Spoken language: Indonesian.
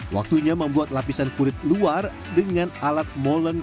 waktunya membuat lapisan kulit luar dengan alat molen